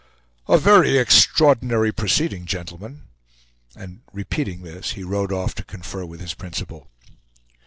"A very extraordinary proceeding, gentlemen!" and repeating this, he rode off to confer with his principal.